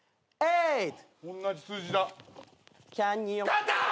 勝ったー！